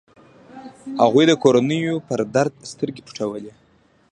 هغوی د کورنيو پر درد سترګې پټولې.